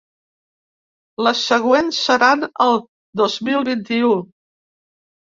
Les següents seran el dos mil vint-i-u.